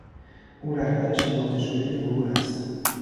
او رهبر شناخته شدهی گروه است.